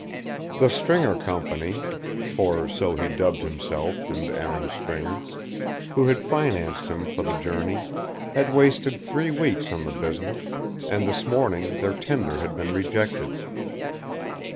The Stringer Company, for so he dubbed himself and Aaron Stringer, who had financed him for the journey, had wasted three weeks on the business, and this morning their tender had been rejected.